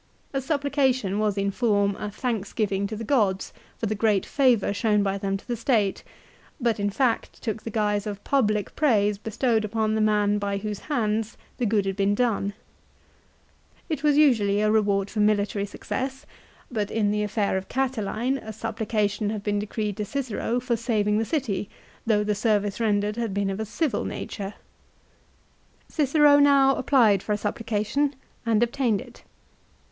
A supplica tion was in form a thanksgiving to th gods for the great favour shown by them to the state, but in fact took the guise of public praise bestowed upon the man by whose hands the good had been done. It was usually a reward for military success, but in the affair of Catiline a suppli cation had been decreed to Cicero for saving the city, though the service rendered had been of a civil nature Cicero now applied for a supplication, and obtained 122 LIFE OF CICERO. it.